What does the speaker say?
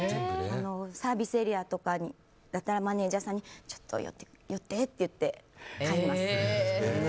サービスエリアとかだったらマネジャーさんにちょっと寄ってって言って買います。